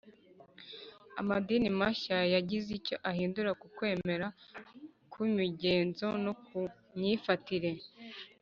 Amadini mashya yagize icyo ahindura ku kwemera, ku migenzo no ku myifatire